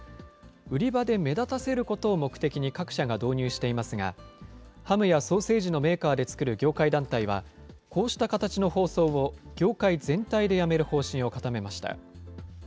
売り場で目立たせることを目的に各社が導入していますが、ハムやソーセージのメーカーで作る業界団体は、こうした形の包装を業界全体でやめる方針を固めました。